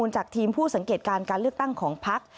จากทีมผู้สังเกตการการเลือกตั้งของพัก